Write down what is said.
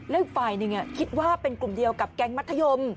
แล้วอีกฝ่ายหนึ่งคิดว่าเป็นกลุ่มเดียวกับแก๊งมัธยม